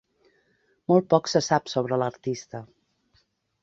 Molt poc se sap sobre l'artista.